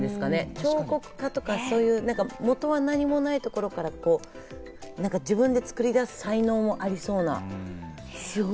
彫刻家とか、もとは何もないところから自分で作り出す才能がありそうな。